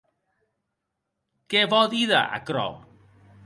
Qué vò díder aquerò?